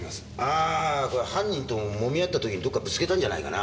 あこれは犯人ともみ合った時にどこかぶつけたんじゃないかな。